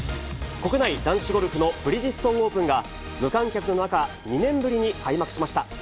国内男子ゴルフのブリヂストンオープンが、無観客の中、２年ぶりに開幕しました。